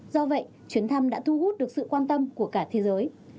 do vậy chuyến thăm đã thu hút được sự quan tâm của cả thế giới